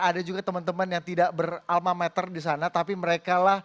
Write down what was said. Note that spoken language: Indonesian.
ada juga teman teman yang tidak beralma meter di sana